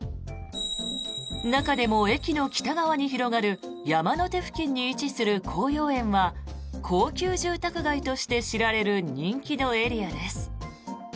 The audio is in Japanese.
中でも駅の北側に広がる山の手付近に位置する甲陽園は高級住宅街として知られる人気のエリアです。